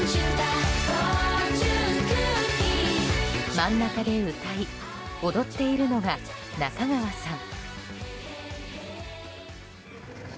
真ん中で歌い、踊っているのが仲川さん。